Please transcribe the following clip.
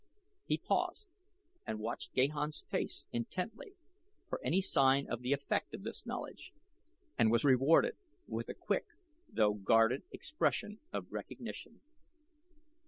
He paused and watched Gahan's face intently for any sign of the effect of this knowledge and was rewarded with a quick, though guarded expression of recognition.